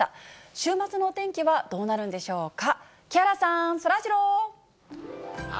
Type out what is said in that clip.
週末のお天気はどうなるんでしょうか。